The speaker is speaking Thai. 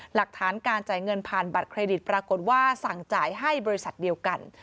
หลักฐานการจ่ายเงินผ่านบัตรเครดิตปรากฏว่าสั่งจ่ายให้บริษัทเดียวกัน